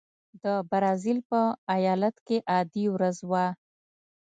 د برازیل په ایالت کې عادي ورځ وه.